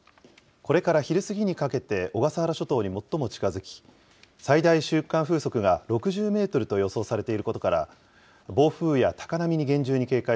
これから昼過ぎにかけて小笠原諸島に最も近づき、最大瞬間風速が６０メートルと予想されていることから、暴風や高波に厳重に警戒